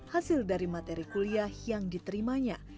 hasil dari materi kuliah yang diterimanya